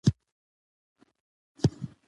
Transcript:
هغه د ډاکټر عبدالله ورور و.